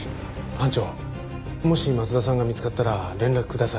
班長もし松田さんが見つかったら連絡ください。